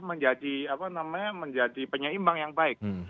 menjadi penyeimbang yang baik